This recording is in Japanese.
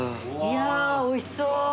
いやーおいしそう。